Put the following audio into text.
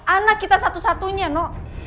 anak kita satu satunya nok